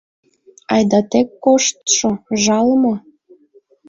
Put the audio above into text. Айда тек коштшо, жал мо!